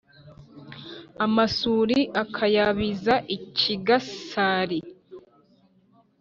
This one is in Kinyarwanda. amasuri akayabiza i kigasari.